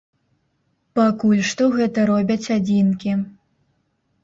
Пакуль што гэта робяць адзінкі.